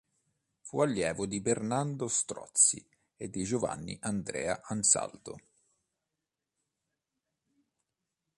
Fu allievo di Bernardo Strozzi e di Giovanni Andrea Ansaldo.